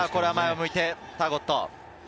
これは前を向いたターゴット。